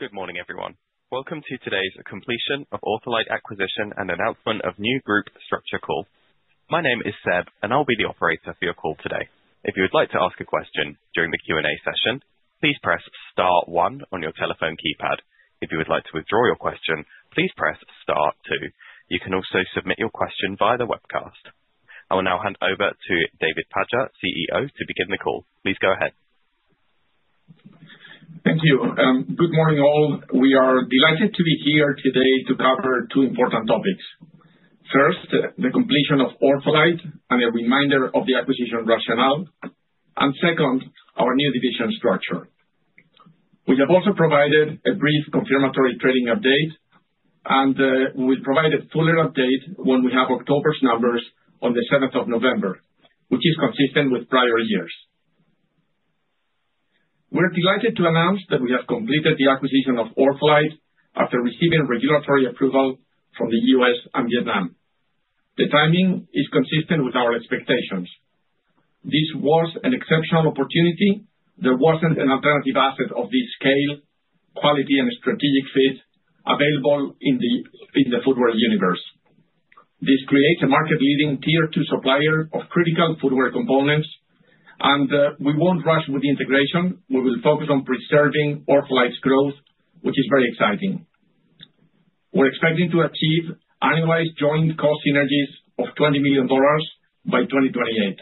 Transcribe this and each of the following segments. Good morning, everyone. Welcome to today's completion of OrthoLite acquisition and announcement of new group structure call. My name is Seb, and I'll be the operator for your call today. If you would like to ask a question during the Q&A session, please press Star 1 on your telephone keypad. If you would like to withdraw your question, please press Star 2. You can also submit your question via the webcast. I will now hand over to David Paja, CEO, to begin the call. Please go ahead. Thank you. Good morning, all. We are delighted to be here today to cover two important topics. First, the completion of OrthoLite and a reminder of the acquisition rationale, and second, our new division structure. We have also provided a brief confirmatory trading update, and we will provide a fuller update when we have October's numbers on the 7th of November, which is consistent with prior years. We're delighted to announce that we have completed the acquisition of OrthoLite after receiving regulatory approval from the US and Vietnam. The timing is consistent with our expectations. This was an exceptional opportunity. There wasn't an alternative asset of this scale, quality, and strategic fit available in the footwear universe. This creates a market-leading Tier 2 supplier of critical footwear components, and we won't rush with the integration. We will focus on preserving OrthoLite's growth, which is very exciting. We're expecting to achieve annualized joint cost synergies of $20 million by 2028.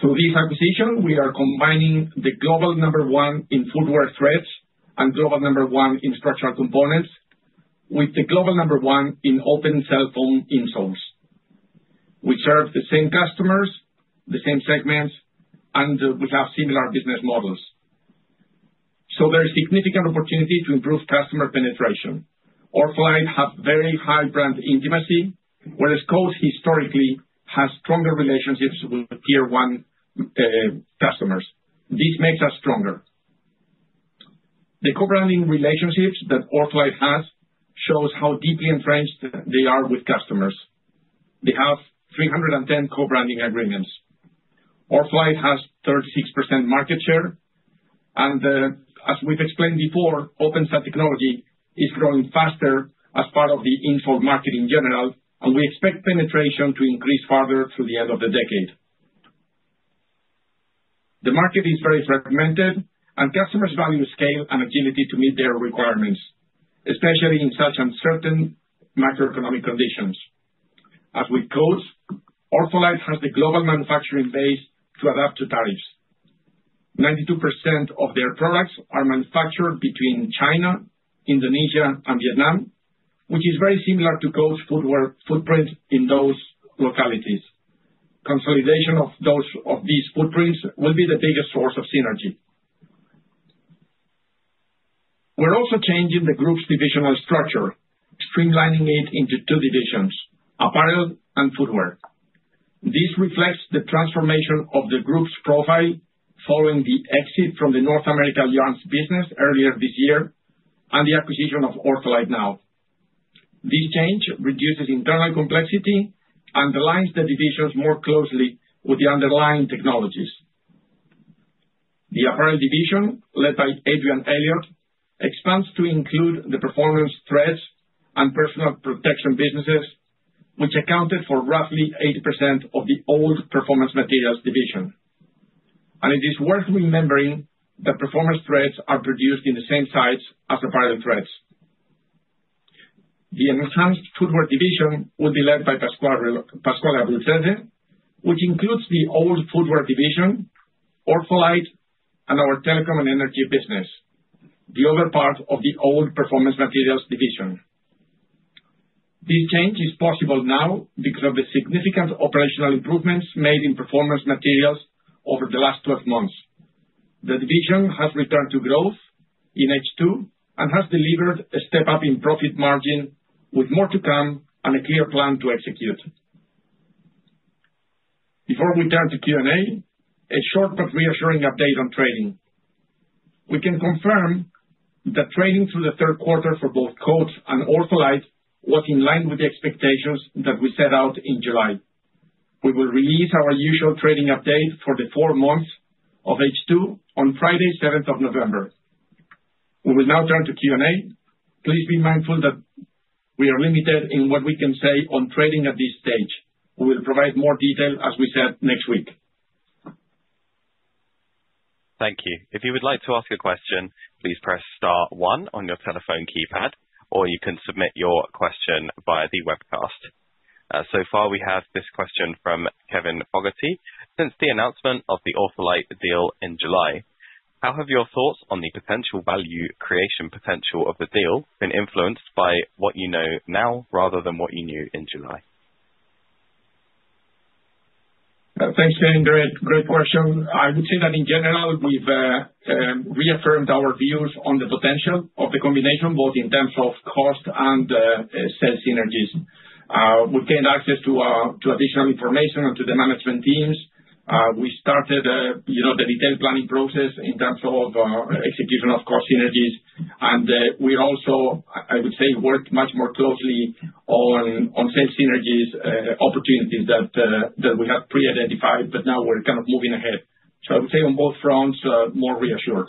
Through this acquisition, we are combining the global number one in footwear threads and global number one in structural components with the global number one in open-cell foam insoles. We serve the same customers, the same segments, and we have similar business models. So there is a significant opportunity to improve customer penetration. OrthoLite has very high brand intimacy, whereas Coats historically has stronger relationships with Tier 1 customers. This makes us stronger. The co-branding relationships that OrthoLite has show how deeply entrenched they are with customers. They have 310 co-branding agreements. OrthoLite has 36% market share. And as we've explained before, open-cell technology is growing faster as part of the insole market in general, and we expect penetration to increase further through the end of the decade. The market is very fragmented, and customers value scale and agility to meet their requirements, especially in such uncertain macroeconomic conditions. As with Coats, OrthoLite has the global manufacturing base to adapt to tariffs. 92% of their products are manufactured between China, Indonesia, and Vietnam, which is very similar to Coats' footprint in those localities. Consolidation of these footprints will be the biggest source of synergy. We're also changing the group's divisional structure, streamlining it into two divisions: Apparel and Footwear. This reflects the transformation of the group's profile following the exit from the North America Crafts business earlier this year and the acquisition of OrthoLite now. This change reduces internal complexity and aligns the divisions more closely with the underlying technologies. The Apparel division, led by Adrian Elliott, expands to include the Performance Threads and Personal Protection businesses, which accounted for roughly 80% of the old Performance Materials division. It is worth remembering that Performance Threads are produced in the same sites as apparel threads. The enhanced Footwear division will be led by Pasquale Abruzzese, which includes the old Footwear division, OrthoLite, and our Telecoms and Energy business, the other part of the old Performance Materials division. This change is possible now because of the significant operational improvements made in Performance Materials over the last 12 months. The division has returned to growth in H2 and has delivered a step-up in profit margin with more to come and a clear plan to execute. Before we turn to Q&A, a short but reassuring update on trading. We can confirm that trading through the third quarter for both Coats and OrthoLite was in line with the expectations that we set out in July. We will release our usual trading update for the four months of H2 on Friday, 7th of November. We will now turn to Q&A. Please be mindful that we are limited in what we can say on trading at this stage. We will provide more detail, as we said, next week. Thank you. If you would like to ask a question, please press Star 1 on your telephone keypad, or you can submit your question via the webcast. So far, we have this question from Kevin Fogarty. Since the announcement of the OrthoLite deal in July, how have your thoughts on the potential value creation potential of the deal been influenced by what you know now rather than what you knew in July? Thanks, Kevin. Great question. I would say that in general, we've reaffirmed our views on the potential of the combination, both in terms of cost and sales synergies. We gained access to additional information from the management teams. We started the detailed planning process in terms of execution of cost synergies. And we also, I would say, worked much more closely on sales synergies opportunities that we had pre-identified, but now we're kind of moving ahead. So I would say on both fronts, more reassured.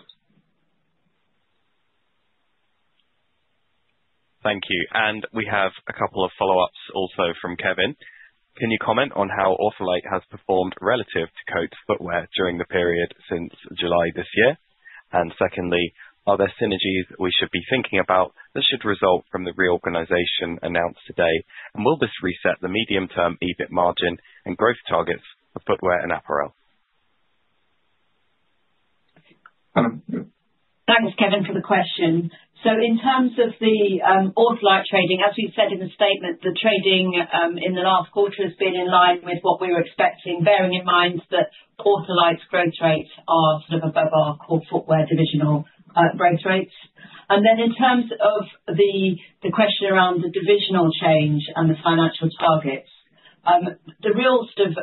Thank you. And we have a couple of follow-ups also from Kevin. Can you comment on how OrthoLite has performed relative to Coats Footwear during the period since July this year? And secondly, are there synergies we should be thinking about that should result from the reorganization announced today? And will this reset the medium-term EBIT margin and growth targets for Footwear and Apparel? Thanks, Kevin, for the question. So in terms of the OrthoLite trading, as we've said in the statement, the trading in the last quarter has been in line with what we were expecting, bearing in mind that OrthoLite's growth rates are sort of above our core Footwear divisional growth rates. And then in terms of the question around the divisional change and the financial targets, the real sort of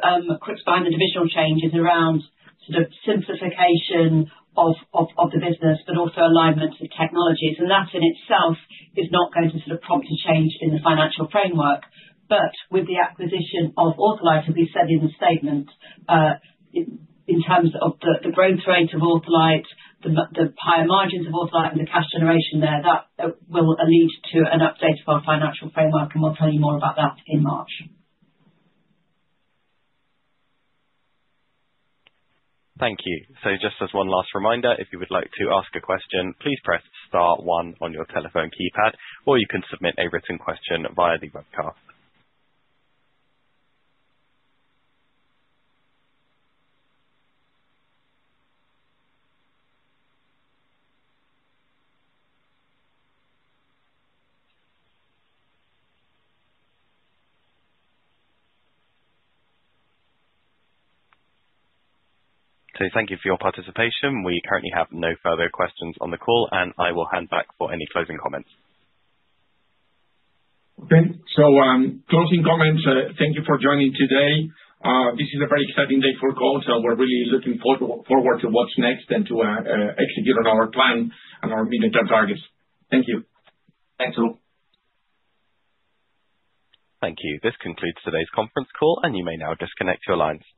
crux behind the divisional change is around sort of simplification of the business, but also alignment of technologies. And that in itself is not going to sort of prompt a change in the financial framework. But with the acquisition of OrthoLite, as we said in the statement, in terms of the growth rate of OrthoLite, the higher margins of OrthoLite, and the cash generation there, that will lead to an update of our financial framework. We'll tell you more about that in March. Thank you. So just as one last reminder, if you would like to ask a question, please press Star 1 on your telephone keypad, or you can submit a written question via the webcast. So thank you for your participation. We currently have no further questions on the call, and I will hand back for any closing comments. Okay, so closing comments, thank you for joining today. This is a very exciting day for Coats, and we're really looking forward to what's next and to execute on our plan and our mid-term targets. Thank you. Thanks, all. Thank you. This concludes today's conference call, and you may now disconnect your lines.